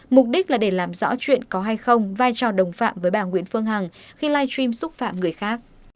mục đích là để làm rõ chuyện có hay không vai trò đồng phạm với bà nguyễn phương hằng khi live stream xúc phạm người khác